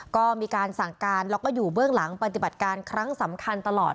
ก็มีการสั่งการแล้วก็อยู่เบื้องหลังปฏิบัติการครั้งสำคัญตลอด